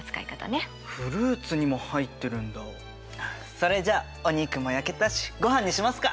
それじゃお肉も焼けたしごはんにしますか。